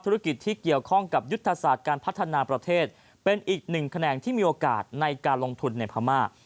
ธุรกิจที่เกี่ยวข้องกับยุทธศาสตร์การพัฒนาประเทศเป็นอีกหนึ่งแขนงที่มีโอกาสในการลงทุนในพม่า